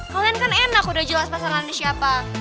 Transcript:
kalian kan enak udah jelas pasangannya siapa